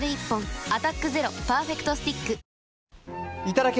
「アタックＺＥＲＯパーフェクトスティック」いただき！